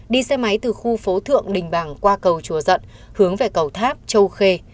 đi xe máy từ khu phố thượng đình bàng qua cầu chùa dận hướng về cầu tháp châu khê